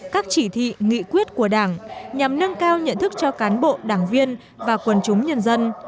các chỉ thị nghị quyết của đảng nhằm nâng cao nhận thức cho cán bộ đảng viên và quần chúng nhân dân